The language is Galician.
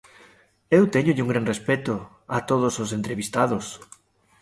Eu téñolle un gran respecto a todos os entrevistados.